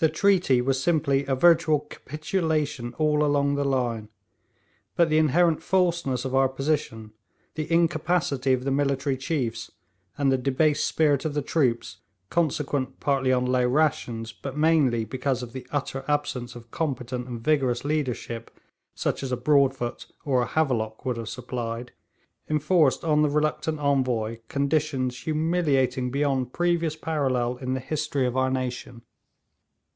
The treaty was simply a virtual capitulation all along the line; but the inherent falseness of our position, the incapacity of the military chiefs, and the debased spirit of the troops, consequent partly on low rations but mainly because of the utter absence of competent and vigorous leadership such as a Broadfoot or a Havelock would have supplied, enforced on the reluctant Envoy conditions humiliating beyond previous parallel in the history of our nation.